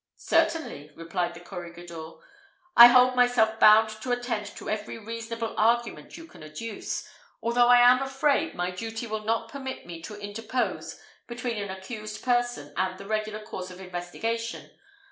"Certainly," replied the corregidor. "I hold myself bound to attend to every reasonable argument you can adduce, although I am afraid my duty will not permit me to interpose between an accused person and the regular course of investigation.